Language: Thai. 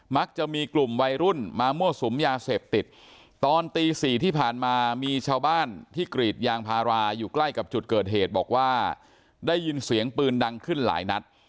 จะมีกลุ่มวัยรุ่นมามั่วสุมยาเสพติดตอนตี๔ที่ผ่านมามีชาวบ้านที่กรีดยางพาราอยู่ใกล้กับจุดเกิดเหตุบอกว่าได้ยินเสียงปืนดังขึ้นหลายนัด